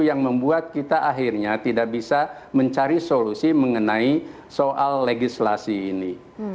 yang membuat kita akhirnya tidak bisa mencari solusi mengenai soal legislasi ini